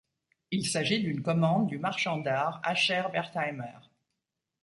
Il s'agit d'une commande du marchand d'art Asher Wertheimer.